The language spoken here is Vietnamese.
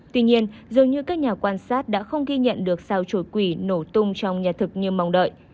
tuy nhiên dường như các nhà quan sát đã không ghi nhận được sao chổi quỷ nổ tung trong nhà thực như mong đợi